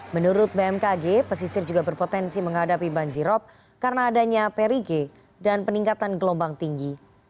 menurut bmkg pesisir juga berpotensi menghadapi banjirop karena adanya perige dan peningkatan gelombang tinggi